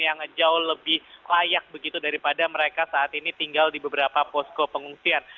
yang jauh lebih layak begitu daripada mereka saat ini tinggal di beberapa posko pengungsian